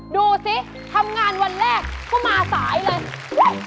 ดูสิทำงานวันแรกเข้ามาสายเลย